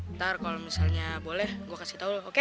ntar kalau misalnya boleh gue kasih tau lo oke